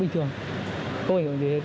bình thường không ảnh hưởng gì hết